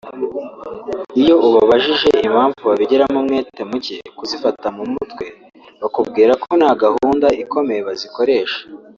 Iyo ubabajije impamvu babigiramo umwete muke kuzifata mu mutwe bakubwira ko nta gahunda ikomeye bazikoresha